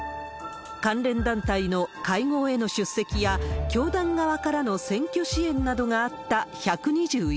関連団体の会合への出席や、教団側からの選挙支援などがあった１２１人。